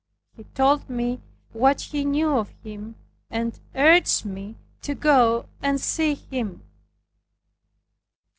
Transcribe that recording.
He told me what he knew of him, and urged me to go and see him.